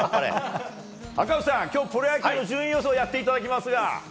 赤星さん、プロ野球の順位予想をやっていただきますが。